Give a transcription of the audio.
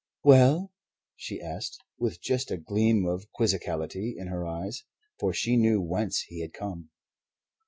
"Well?" she asked, with just a gleam of quizzicality in her eyes, for she knew whence he had come.